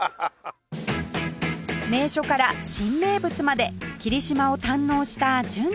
名所から新名物まで霧島を堪能した純ちゃん